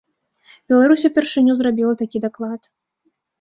Беларусь упершыню зрабіла такі даклад.